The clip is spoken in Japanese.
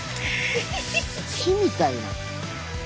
木みたいな。